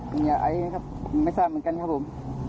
เป็นยาไอครับไม่ทราบเหมือนกันครับผม